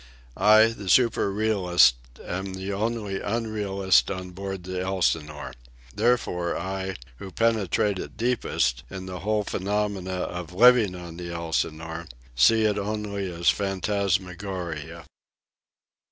I, the super realist, am the only unrealist on board the Elsinore. Therefore I, who penetrate it deepest, in the whole phenomena of living on the Elsinore see it only as phantasmagoria.